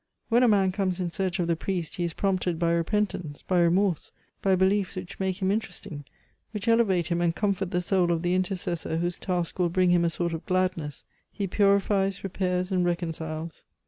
When a man comes in search of the priest, he is prompted by repentance, by remorse, by beliefs which make him interesting, which elevate him and comfort the soul of the intercessor whose task will bring him a sort of gladness; he purifies, repairs and reconciles.